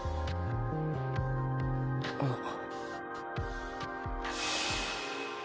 あっ。